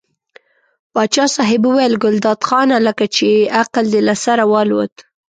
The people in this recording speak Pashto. پاچا صاحب وویل ګلداد خانه لکه چې عقل دې له سره والوت.